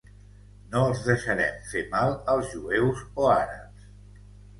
No els deixarem fer mal als jueus o àrabs.